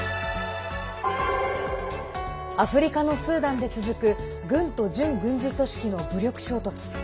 アフリカのスーダンで続く軍と準軍事組織の武力衝突。